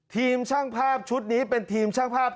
ทีมช่างภาพชุดนี้เป็นทีมช่างภาพ